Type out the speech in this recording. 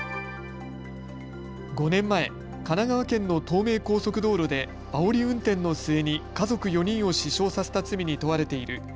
５年前、神奈川県の東名高速道路であおり運転の末に家族４人を死傷させた罪に問われている